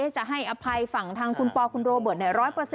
จะให้อภัยฝั่งทางคุณปอคุณโรเบิร์ต๑๐๐